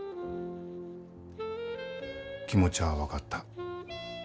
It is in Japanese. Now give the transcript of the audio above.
気持ちゃあ分かった。